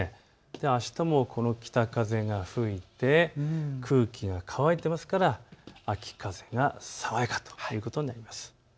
あしたは北風が吹いて空気が乾いていますから秋風が爽やかということになります。